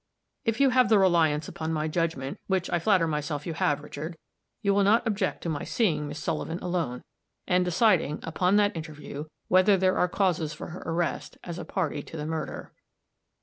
If you have the reliance upon my judgment which I flatter myself you have, Richard, you will not object to my seeing Miss Sullivan alone, and deciding, upon that interview, whether there are causes for her arrest, as a party to the murder."